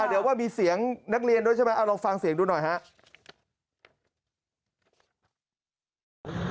เดี๋ยวว่ามีเสียงนักเรียนด้วยใช่ไหมเอาลองฟังเสียงดูหน่อยครับ